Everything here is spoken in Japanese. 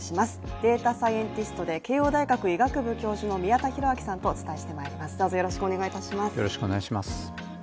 データサイエンティストで慶応大学医学部教授の宮田裕章さんとお伝えしてまいります。